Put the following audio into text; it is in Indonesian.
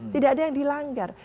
tidak ada yang dilanggar